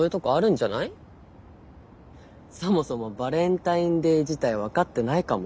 そもそもバレンタインデー自体分かってないかも。